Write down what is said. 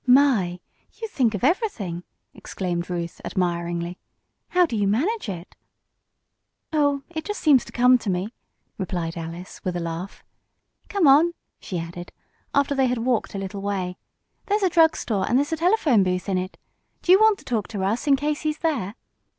"My! You think of everything!" exclaimed Ruth, admiringly. "How do you manage it?" "Oh, it just seems to come to me," replied Alice, with a laugh. "Come on," she added, after they had walked a little way. "There's a drug store and there's a telephone booth in it. Do you want to talk to Russ, in case he's there?"